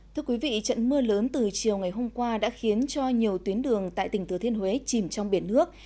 trận mưa lớn từ chiều ngày hôm qua đã khiến cho nhiều tuyến đường tại tỉnh thừa thiên huế chìm trong nước